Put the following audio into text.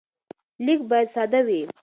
لیک باید ساده وي.